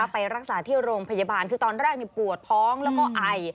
ไปรักษาที่โรงพยาบาลคือตอนแรกปวดท้องแล้วก็ไอ